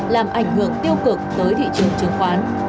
làm ảnh hưởng tiêu cực tới thị trường chứng khoán